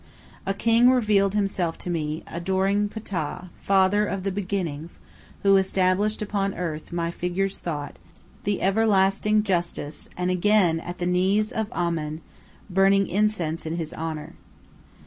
A king revealed himself to me, adoring Ptah, "Father of the beginnings," who established upon earth, my figures thought, the everlasting justice, and again at the knees of Amen burning incense in his honor.